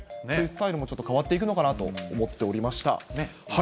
スタイルもちょっと変わっていくのかなと思っておりました。